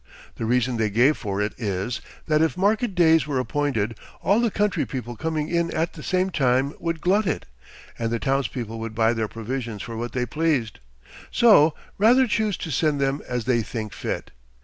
The reason they give for it is, that if market days were appointed, all the country people coming in at the same time would glut it, and the towns people would buy their provisions for what they pleased; so rather choose to send them as they think fit.